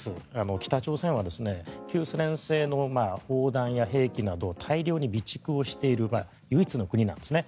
北朝鮮は旧ソ連製の砲弾や兵器など大量に備蓄している唯一の国なんですね。